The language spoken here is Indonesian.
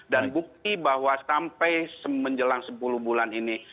dan bukti bahwa sampai menjelang sepuluh bulan ini